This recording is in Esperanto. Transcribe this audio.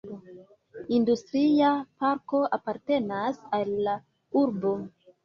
Industria parko apartenas al la urbo.